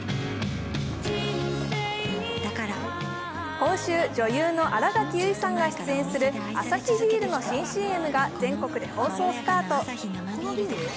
今週、女優の新垣結衣さんが出演するアサヒビールの新ＣＭが全国で放送スタート。